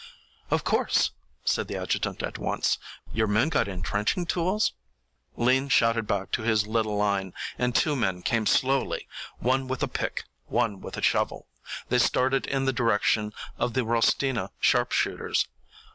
"Of course," said the adjutant, at once. "Your men got intrenching tools?" Lean shouted back to his little line, and two men came slowly, one with a pick, one with a shovel. They started in the direction of the Rostina sharp shooters.